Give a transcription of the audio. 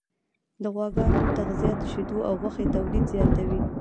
د غواګانو تغذیه د شیدو او غوښې تولید زیاتوي.